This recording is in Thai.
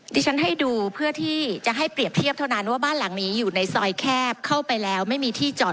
ที่ฉันให้ดูเพื่อที่จะให้เปรียบเทียบเท่านั้นว่าบ้านหลังนี้อยู่ในซอยแคบเข้าไปแล้วไม่มีที่จอด